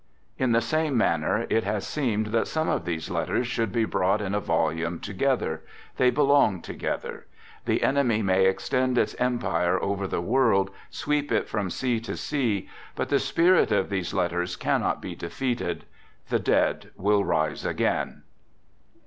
In the same manner, it has seemed that some of these letters should be brought in a volume together. They belong to gether. The enemy may extend its empire over the world, sweep it from sea to sea, but the spirit of these letters cannot be defeated. The dead will rise again.